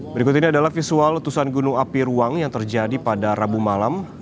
berikut ini adalah visual letusan gunung api ruang yang terjadi pada rabu malam